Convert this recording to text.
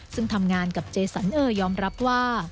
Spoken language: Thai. ซึ่งทำงานกับเจสันเออร์ยอมรับว่า